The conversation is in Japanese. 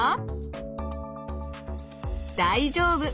大丈夫！